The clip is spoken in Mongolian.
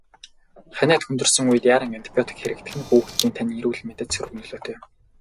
Ханиад хүндэрсэн үед яаран антибиотик хэрэглэх нь хүүхдийн тань эрүүл мэндэд сөрөг нөлөөтэй.